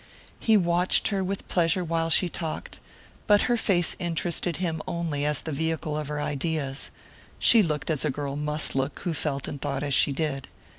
He watched her with pleasure while she talked, but her face interested him only as the vehicle of her ideas she looked as a girl must look who felt and thought as she did.